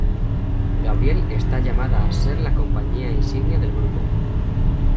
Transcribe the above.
Gabriel está llamada a ser la compañía insignia del grupo.